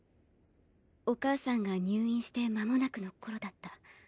お母さんが入院してまもなくの頃だった。